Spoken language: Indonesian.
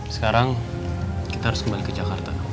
sekarang kita harus kembali ke jakarta